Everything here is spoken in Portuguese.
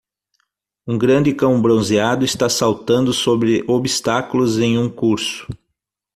Um grande cão bronzeado está saltando sobre obstáculos em um curso.